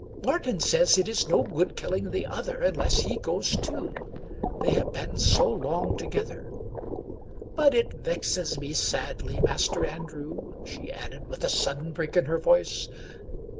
"Martin says it is no good killing the other unless he goes too— they have been so long together. But it vexes me sadly. Master An 148 Stanley /• Weyman drew/' she added with a sudden break in her voice.